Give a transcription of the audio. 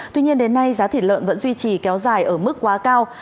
tuy nhiên đến nay giá thịt lợn vẫn duy trì kéo dài ở mức quá cao